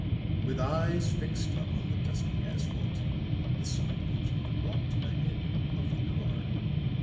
With eyes fixed upon the dusty asphalt, the secret agent walked ahead of the car.